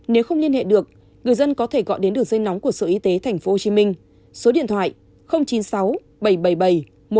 nếu không liên hệ được người dân có thể gọi đến đường dây nóng của sở y tế tp hcm số điện thoại chín mươi sáu bảy trăm bảy mươi bảy một nghìn một mươi hoạt động hai mươi bốn trên hai mươi bốn giờ